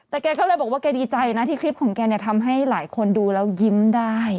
แต่แกก็เลยบอกว่าแกดีใจนะที่คลิปของแกเนี่ยทำให้หลายคนดูแล้วยิ้มได้